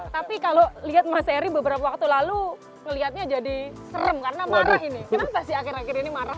tapi kalau lihat mas eri beberapa waktu lalu melihatnya jadi serem karena marah ini